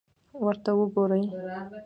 ورته وګورئ!